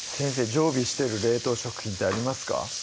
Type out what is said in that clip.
常備してる冷凍食品ってありますか？